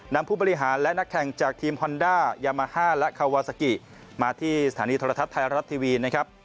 ผู้บริหารและนักแข่งจากทีมฮอนด้ายามาฮ่าและคาวาซากิมาที่สถานีโทรทัศน์ไทยรัฐทีวีนะครับ